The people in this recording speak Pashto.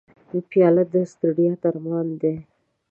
پیاله د ستړیا درمان ده.